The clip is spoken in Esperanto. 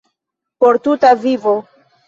Por tuta vivo.